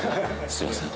すいません。